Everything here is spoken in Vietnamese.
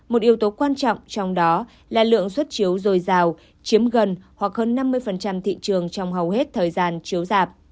một yếu tố quan trọng trong đó là lượng xuất chiếu dồi dào chiếm gần hoặc hơn năm mươi thị trường trong hầu hết thời gian chiếu dạp